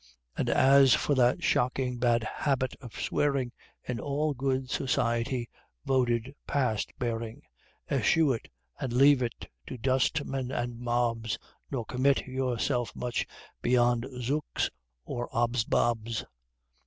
_" And as for that shocking bad habit of swearing, In all good society voted past bearing, Eschew it! and leave it to dustmen and mobs, Nor commit yourself much beyond "Zooks!" or "Odsbobs!"